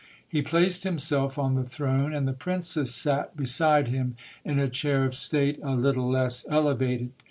He placed himself on the throne, and the princess sate beside him, in a chair of state a little less elevated.